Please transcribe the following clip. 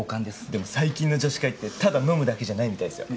でも最近の女子会ってただ飲むだけじゃないみたいですよ。